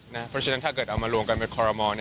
เพราะฉะนั้นถ้าเกิดเอามารวมกันบริมาณครัวละมอร์